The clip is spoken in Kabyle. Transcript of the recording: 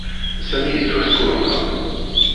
Sami yettwaskurma.